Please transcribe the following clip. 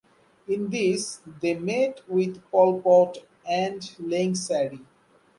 In this they met with Pol Pot and Ieng Sary.